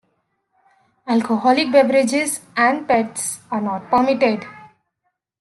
Alcoholic beverages and pets are not permitted.